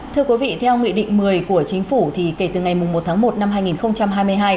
thưa quý vị theo nghị định một mươi của chính phủ thì kể từ ngày một tháng một năm hai nghìn hai mươi hai